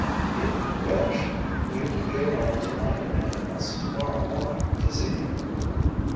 "If you wish. We will be around to night and also to morrow morning to see him."